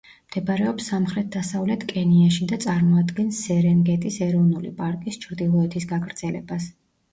მდებარეობს სამხრეთ-დასავლეთ კენიაში და წარმოადგენს სერენგეტის ეროვნული პარკის ჩრდილოეთის გაგრძელებას.